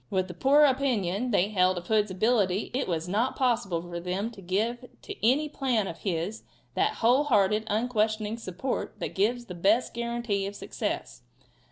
With the poor opinion they held of Hood's ability it was not possible for them to give to any plan of his that whole hearted, unquestioning support that gives the best guarantee of success.